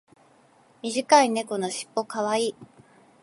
短い猫のしっぽ可愛い。